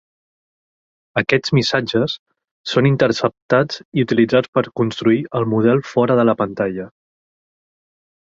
Aquests missatges són interceptats i utilitzats per construir el model fora de la pantalla.